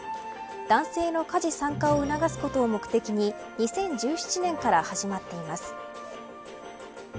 男性の家事参加を促すことを目的に２０１７年から始まっています。